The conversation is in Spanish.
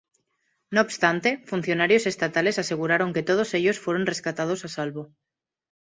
No obstante, funcionarios estatales aseguraron que todos ellos fueron rescatados a salvo.